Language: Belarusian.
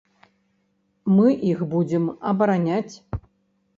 Мы іх будзем абараняць.